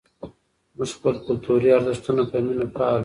موږ خپل کلتوري ارزښتونه په مینه پالو.